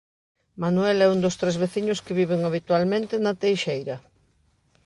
Manuel é un dos tres veciños que viven habitualmente na Teixeira.